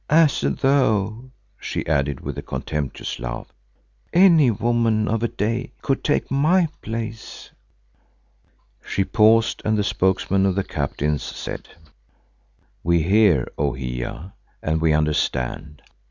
As though," she added with a contemptuous laugh, "any woman of a day could take my place." She paused and the spokesman of the captains said, "We hear, O Hiya, and we understand.